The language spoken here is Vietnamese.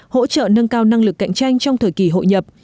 hỗ trợ nâng cao năng lực cạnh tranh trong thời kỳ hội nhập